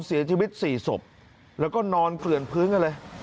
เสียชีวิต๔ศพแล้วก็นอนเกลื่อนพื้นกันเลย